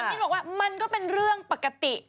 นิดบอกว่ามันก็เป็นเรื่องปกติ